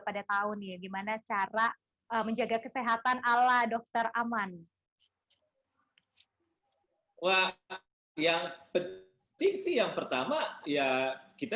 pada tahun nih gimana cara menjaga kesehatan ala dokter aman wah yang penting sih yang pertama ya kita